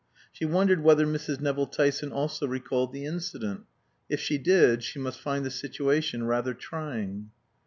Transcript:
She wondered whether Mrs. Nevill Tyson also recalled the incident. If she did she must find the situation rather trying.